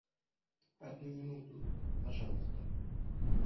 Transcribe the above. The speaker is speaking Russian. Одну минуту, пожалуйста.